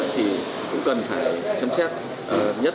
thì cũng cần phải xem xét